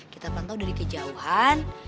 kita pantau dari kejauhan